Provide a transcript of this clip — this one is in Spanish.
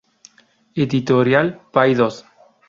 Editorial Paidós.